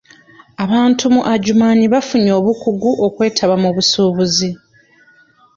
Abantu mu Adjumani bafunye obukugu okweetaba mu busuubuzi.